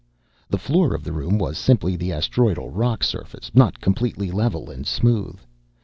The floor of the room was simply the asteroidal rock surface, not completely level and smooth.